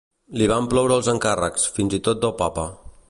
Li van ploure els encàrrecs, fins i tot del papa.